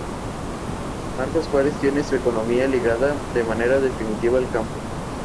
Marcos Juárez tiene su economía ligada de manera definitiva al campo.